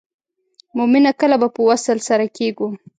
مومنه کله به په وصل سره کیږو.